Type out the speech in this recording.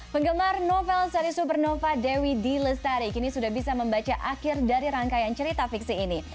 penggemar novel seri supernova dewi d lestari kini sudah bisa membaca akhir dari rangkaian cerita fiksi ini